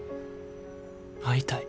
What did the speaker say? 会いたい。